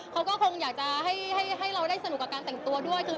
เขาก็คงอยากจะให้เราได้สนุกกับการแต่งตัวด้วย